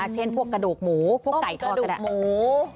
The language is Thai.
เช่นพวกกระดูกหมูพวกไก่ทอดกระดาษกระดูกหมู